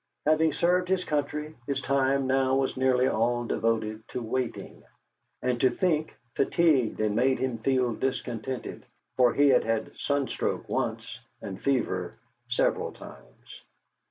Having served his country, his time now was nearly all devoted to waiting, and to think fatigued and made him feel discontented, for he had had sunstroke once, and fever several times.